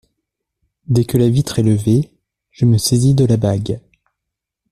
Dès que la vitre est levée, je me saisis de la bague.